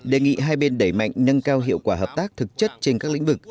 đề nghị hai bên đẩy mạnh nâng cao hiệu quả hợp tác thực chất trên các lĩnh vực